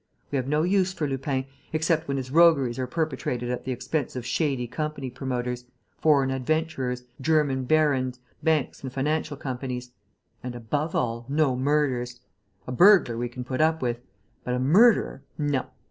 We have no use for Lupin, except when his rogueries are perpetrated at the expense of shady company promoters, foreign adventurers, German barons, banks and financial companies. And, above all, no murders! A burglar we can put up with; but a murderer, no!